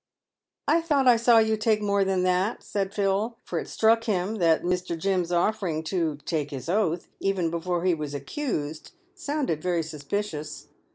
"I thought I saw you take more than that," said Phil; for it struck him that Mr. Jim's offering to "take his oath," even before he was accused, sounded very suspicious.